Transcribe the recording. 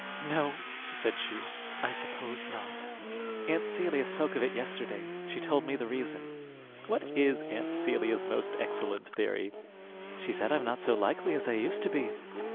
"No," said she, "I suppose not. Aunt Celia spoke of it yesterday. She told me the reason." "What is Aunt Celia's most excellent theory?" "She said I'm not so likely as I used to be."